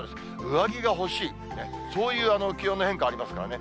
上着が欲しい、そういう気温の変化ありますからね。